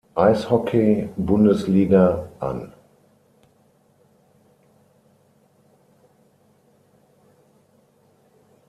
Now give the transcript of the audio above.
Eishockey-Bundesliga an.